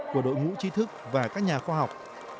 của đội ngũ trí thức và các nhà khoa học